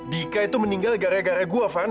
dika itu meninggal gara gara gue van